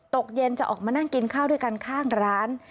ตกเย็นจะออกมานั่งกินข้าวด้วยกันข้างร้าน